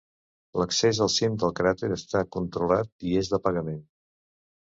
L'accés al cim del cràter està controlat i és de pagament.